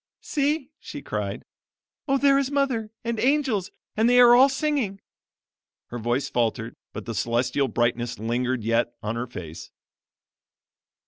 "See!" she cried; "Oh, there is mother! and angels! and they are all singing." Her voice faltered, but the celestial brightness lingered yet on her face.